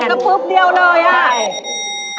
โอ้โรงกระปุ๊บเดี่ยวเลยอะ